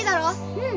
うん！